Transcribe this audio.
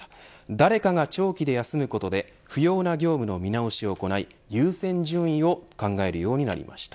誰かが長期で休むことで不要な業務の見直しを行い優先順位を考えるようになりました。